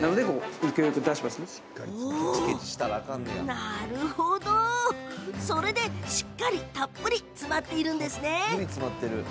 なるほど、それでしっかりたっぷり詰まってるんですね！